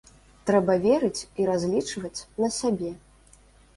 Трэба верыць і разлічваць на сябе.